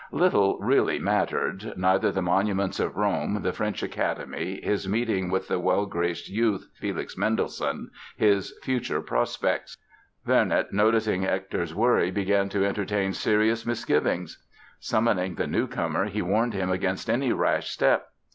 Little really mattered—neither the monuments of Rome, the French Academy, his meeting with the well graced youth, Felix Mendelssohn, his future prospects. Vernet, noticing Hector's worry, began to entertain serious misgivings. Summoning the newcomer he warned him against any rash step.